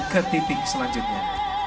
ke titik selanjutnya